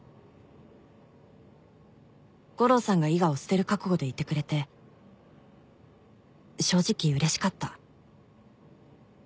「悟郎さんが伊賀を捨てる覚悟でいてくれて正直嬉しかった」